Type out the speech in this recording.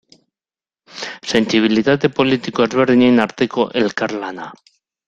Sentsibilitate politiko ezberdinen arteko elkarlana.